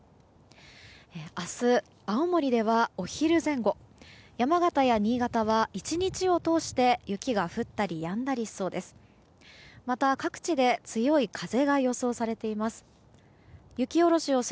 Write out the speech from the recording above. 明日、青森ではお昼前後山形や新潟は１日を通して雪が降ったりやんだりしそうです。